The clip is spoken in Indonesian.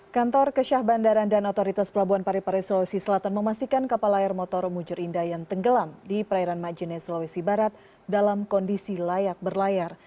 kantor kesyah bandaran dan otoritas pelabuhan parepare sulawesi selatan memastikan kapal layar motor mujur indah yang tenggelam di perairan majene sulawesi barat dalam kondisi layak berlayar